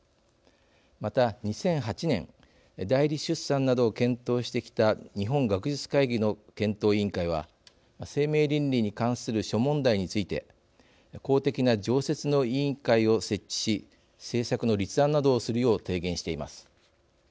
また２００８年代理出産などを検討してきた日本学術会議の検討委員会は生命倫理に関する諸問題について公的な常設の委員会を設置し政策の立案などをするよう提言しています。